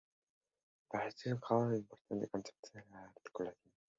Para Stuart Hall es importante el concepto de articulación.